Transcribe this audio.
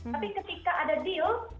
tapi ketika ada deal